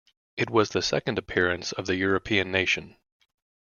It was the second appearance of the European nation.